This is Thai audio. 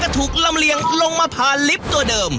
ถูกลำเลียงลงมาผ่านลิฟต์ตัวเดิม